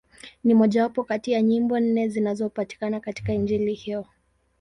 Ni mmojawapo kati ya nyimbo nne zinazopatikana katika Injili hiyo.